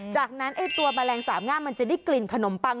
จากนั้นไอ้ตัวแมลงสามงามมันจะได้กลิ่นขนมปัง